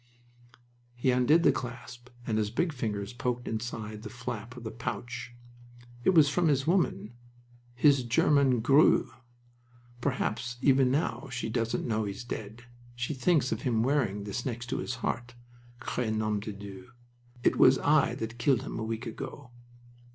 He undid the clasp, and his big fingers poked inside the flap of the pouch. "It was from his woman, his German grue. Perhaps even now she doesn't know he's dead. She thinks of him wearing this next to his heart. 'Cre nom de Dieu! It was I that killed him a week ago!"